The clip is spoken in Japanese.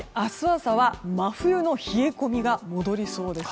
朝は真冬の冷え込みが戻りそうです。